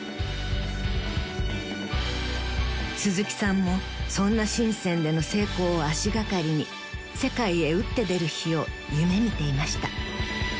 ［鈴木さんもそんな深での成功を足掛かりに世界へ打って出る日を夢見ていました］